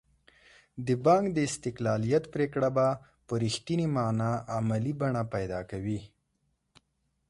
د بانک د استقلالیت پرېکړه به په رښتینې معنا عملي بڼه پیدا کوي.